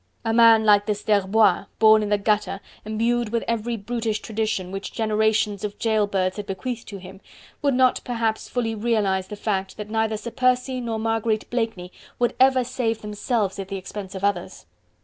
A man like this d'Herbois born in the gutter, imbued with every brutish tradition, which generations of jail birds had bequeathed to him, would not perhaps fully realize the fact that neither Sir Percy nor Marguerite Blakeney would ever save themselves at the expense of others.